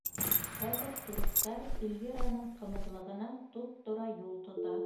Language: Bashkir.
Хәҙер туристар Ильвираның ҡымыҙлығына туп-тура юл тота.